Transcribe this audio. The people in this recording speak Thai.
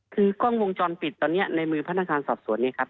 คือกล้องวงจรปิดตอนนี้ในมือพนักงานสอบสวนเนี่ยครับ